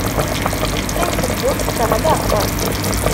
Teqqim tewwurt teɣleq.